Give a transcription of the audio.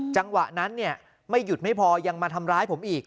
จังหวะนั้นไม่หยุดไม่พอยังมาทำร้ายผมอีก